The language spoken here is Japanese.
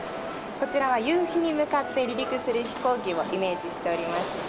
こちらは夕日に向かって離陸する飛行機をイメージしております。